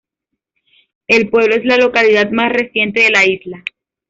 El pueblo es la localidad más reciente de la isla.